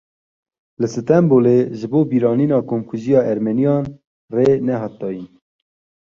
Li Stenbolê ji bo bîranîna Komkujiya Ermeniyan rê nehat dayîn.